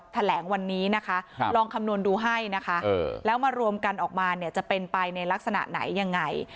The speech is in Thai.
แถลงวันนี้นะคะลองคำนวณดูให้นะคะแล้วมารวมกันออกมาเนี่ยจะเป็นไปในลักษณะไหนยังไง